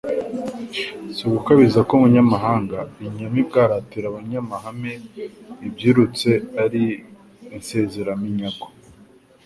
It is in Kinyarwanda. Si ugukabiriza k' umuhangaInyamibwa aratira AbanyamahameIbyirutse ari Insezeraminyago